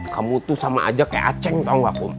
kamu tuh sama aja kayak aceng tau gak kum